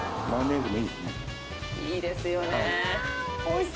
いいですよね。